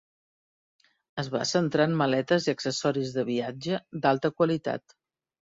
Es van centrar en maletes i accessoris de viatge d'alta qualitat.